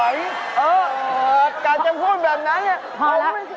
เออปีกายจะพูดแบบนั้น